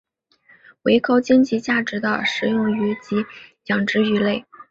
为高经济价值的食用鱼及养殖鱼类。